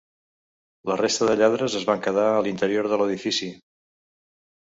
La resta de lladres es van quedar a l’interior de l’edifici.